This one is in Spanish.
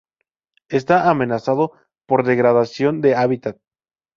Está amenazado por degradación de hábitat.